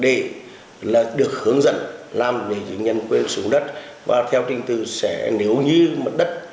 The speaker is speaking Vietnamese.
để được hướng dẫn làm gì chứng nhân quyền sử dụng đất và theo trình tự sẽ nếu như mất đất